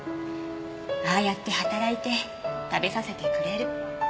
ああやって働いて食べさせてくれる。